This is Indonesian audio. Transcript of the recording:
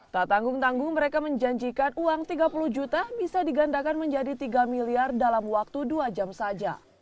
tak tanggung tanggung mereka menjanjikan uang tiga puluh juta bisa digandakan menjadi tiga miliar dalam waktu dua jam saja